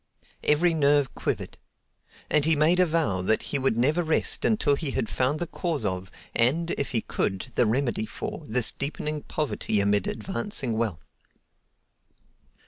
Every nerve quivered. And he made a vow that he would never rest until he had found the cause of, and, if he could, the remedy for, this deepening poverty amid advancing wealth.